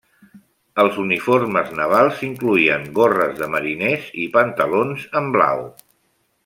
Els uniformes navals incloïen gorres de mariners i pantalons en blau.